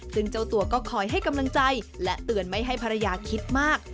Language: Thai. ซึ่งเจ้าตัวก็คอยให้กำลังใจและเตือนไม่ให้ภรรยาคิดมาก